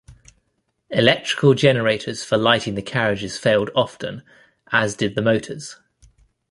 Electrical generators for lighting the carriages failed often, as did the motors.